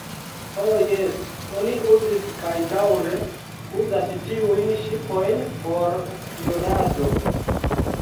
Ho jes, oni uzis kaj daŭre uzas tiujn ŝipojn por spionado.